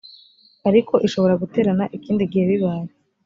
ariko ishobora guterana ikindi gihe bibaye